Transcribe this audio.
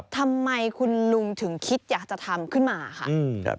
ทำไมคุณลุงถึงคิดอยากจะทำขึ้นมาค่ะ